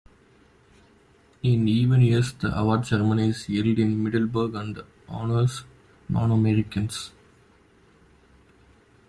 In even years the award ceremony is held in Middelburg and honours non-Americans.